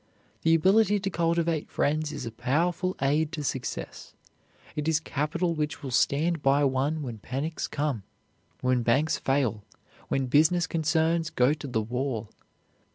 The ability to cultivate friends is a powerful aid to success. It is capital which will stand by one when panics come, when banks fail, when business concerns go to the wall.